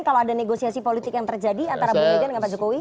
kalau ada negosiasi politik yang terjadi antara bu mega dengan pak jokowi